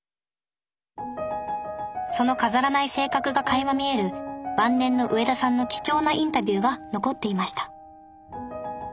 その飾らない性格がかいま見える晩年の上田さんの貴重なインタビューが残っていました。